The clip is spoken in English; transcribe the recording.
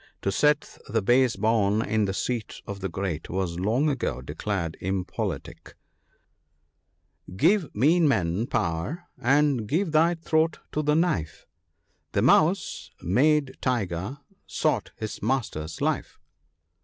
To set the base born in the seat of the great was long ago declared impolitic, —" Give mean men power, and give thy throat to the knife ; The Mouse, made Tiger, sought his masters life."